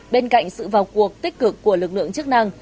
bên cạnh sự vào cuộc tích cực của lực lượng chức năng